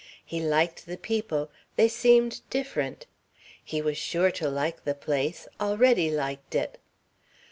He liked the people they seemed different. He was sure to like the place, already liked it.